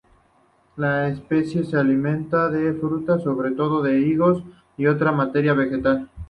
Esta especie se alimenta de fruta, sobre todo de higos, y otra materia vegetal.